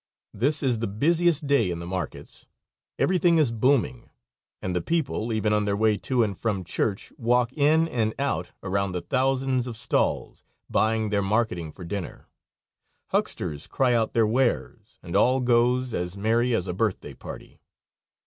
This is the busiest day in the markets. Everything is booming, and the people, even on their way to and from church, walk in and out around the thousands of stalls, buying their marketing for dinner. Hucksters cry out their wares, and all goes as merry as a birthday party.